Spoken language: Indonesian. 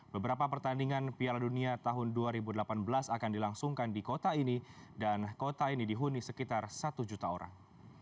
beberapa pertandingan piala dunia tahun dua ribu delapan belas akan dilangsungkan di kota ini dan kota ini dihuni sekitar satu juta orang